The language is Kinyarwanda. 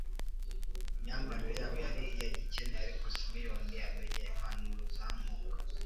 Imyambarire yabo yari iya gikene; ariko Simeyoni amenya impanuro za Mwuka,